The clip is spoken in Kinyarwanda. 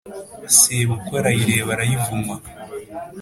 sebukwe arayireba arayivuma